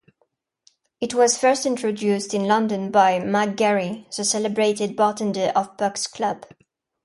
It was first introduced in London by MacGarry, the celebrated bartender of Buck's Club.